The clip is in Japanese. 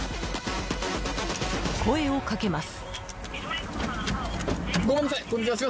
声をかけます。